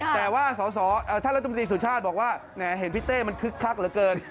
แต่ว่าท่านรัฐมนตรีสุชาติบอกว่าแหมเห็นพี่เต้มันคึกคักเหลือเกิน